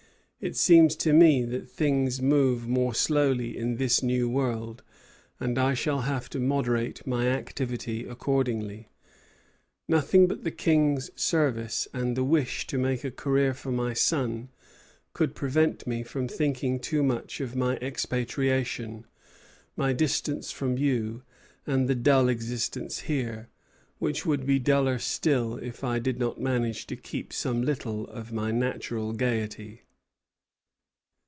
It seems to me that things move slowly in this new world; and I shall have to moderate my activity accordingly. Nothing but the King's service and the wish to make a career for my son could prevent me from thinking too much of my expatriation, my distance from you, and the dull existence here, which would be duller still if I did not manage to keep some little of my natural gayety."